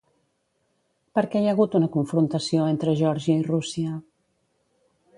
Per què hi ha hagut una confrontació entre Geòrgia i Rússia?